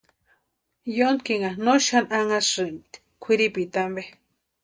Yóntkinha no xani anhasïrempti kwʼiripita ampe.